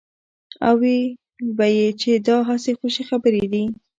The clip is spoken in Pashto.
او ويل به يې چې دا هسې خوشې خبرې دي.